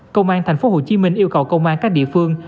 công an tp hcm yêu cầu công an các địa phương